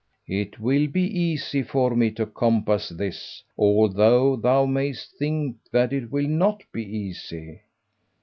"It will be easy for me to compass this, although thou mayest think that it will not be easy."